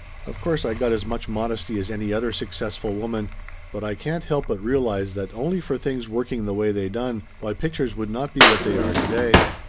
Of course I got as much modesty as any other successful woman, but I can't help but realize that only for things working the way they done, why pictures would not be what they are to day.